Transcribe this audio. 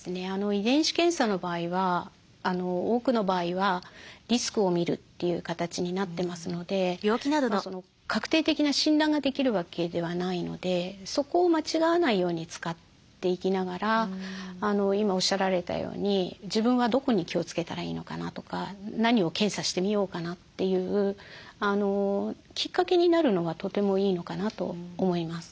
遺伝子検査の場合は多くの場合はリスクをみるという形になってますので確定的な診断ができるわけではないのでそこを間違わないように使っていきながら今おっしゃられたように自分はどこに気をつけたらいいのかなとか何を検査してみようかなっていうきっかけになるのはとてもいいのかなと思います。